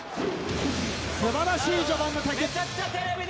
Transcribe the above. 素晴らしい序盤の対決。